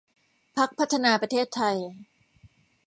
พรรคพัฒนาประเทศไทย